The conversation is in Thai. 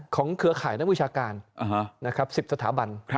ของเครือข่ายนักวิชาการนะครับ๑๐สถาบัน